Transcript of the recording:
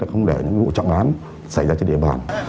không để những vụ trọng án xảy ra trên địa bàn